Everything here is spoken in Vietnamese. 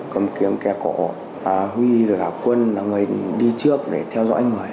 cầm kiếm kẻ cổ huy là quân là người đi trước để theo dõi người